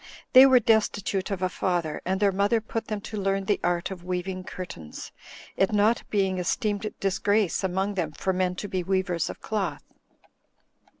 They were destitute of a father, and their mother put them to learn the art of weaving curtains, it not being esteemed disgrace among them for men to be weavers of cloth.